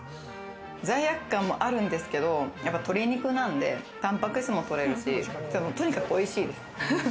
罪悪感もあるんですけど、鶏肉なんでタンパク質も取れるし、とにかくおいしい。